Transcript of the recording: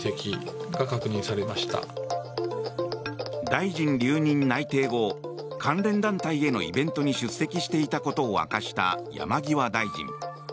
大臣留任内定後関連団体へのイベントに出席していたことを明かした山際大臣。